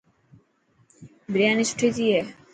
برياني سٺي تهئي هي.